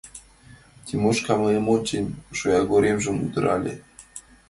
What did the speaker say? Тимошка, мыйым ончен, шоягоремжым удырале.